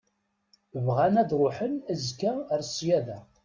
Bɣan ad ṛuḥen azekka ar ṣṣyada.